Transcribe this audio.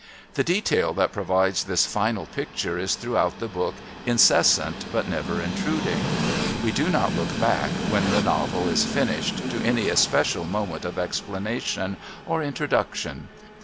The detail that provides this final picture is throughout the book incessant but never intruding. We do not look back, when the novel is finished, to any especial moment of explanation or introduction.